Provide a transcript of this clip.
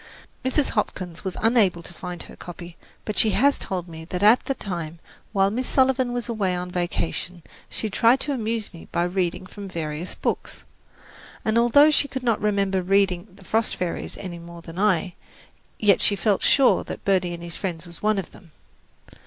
Mrs. Hopkins was unable to find her copy; but she has told me that at that time, while Miss Sullivan was away on a vacation, she tried to amuse me by reading from various books, and although she could not remember reading "The Frost Fairies" any more than I, yet she felt sure that "Birdie and His Friends" was one of them.